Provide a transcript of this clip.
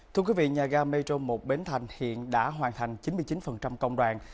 thưa quý vị nhà ga metro một bến thành hiện đã hoàn thành chín mươi chín công đoàn